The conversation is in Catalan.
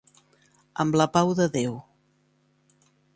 Amb la pau de Déu.